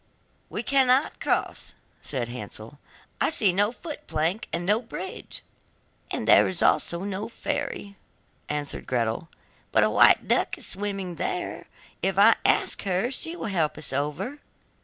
'We cannot cross,' said Hansel, 'I see no foot plank, and no bridge.' 'And there is also no ferry,' answered Gretel, 'but a white duck is swimming there: if I ask her, she will help us over.